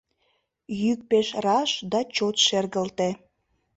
Йӱк пеш раш да чот шергылте.